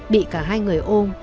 bị cả hai người ôm